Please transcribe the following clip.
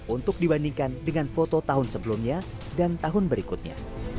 untuk dibandingkan dengan foto tahun sebelumnya dan tahun berikutnya